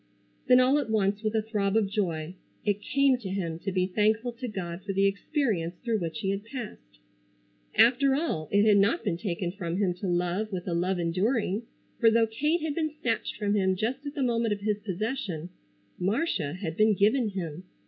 Then, all at once, with a throb of joy, it came to him to be thankful to God for the experience through which he had passed. After all it had not been taken from him to love with a love enduring, for though Kate had been snatched from him just at the moment of his possession, Marcia had been given him.